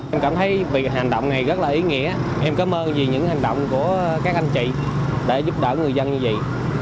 em cảm thấy vì hành động này rất là ý nghĩa em cảm ơn vì những hành động của các anh chị để giúp đỡ người dân như vậy